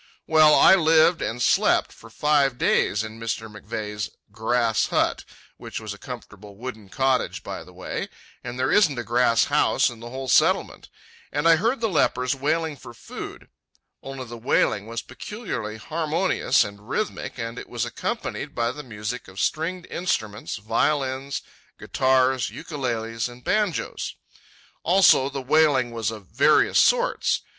Well, I lived and slept for five days in Mr. McVeigh's "grass hut" (which was a comfortable wooden cottage, by the way; and there isn't a grass house in the whole Settlement), and I heard the lepers wailing for food—only the wailing was peculiarly harmonious and rhythmic, and it was accompanied by the music of stringed instruments, violins, guitars, ukuleles, and banjos. Also, the wailing was of various sorts.